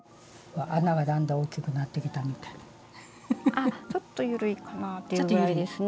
でもちょっと緩いかなっていうぐらいですね。